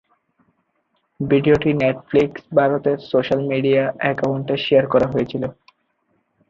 ভিডিওটি নেটফ্লিক্স ভারতের social media অ্যাকাউন্টে শেয়ার করা হয়েছিল।